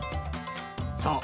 そう。